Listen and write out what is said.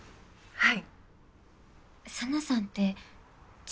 はい。